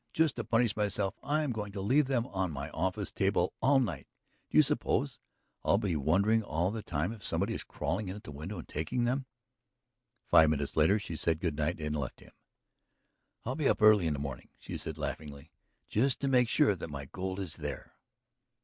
Just to punish myself I am going to leave them on my office table all night; do you suppose I'll be wondering all the time if somebody is crawling in at a window and taking them?" Five minutes later she said good night and left him. "I'll be up early in the morning," she said laughingly. "Just to make sure that my gold is there!"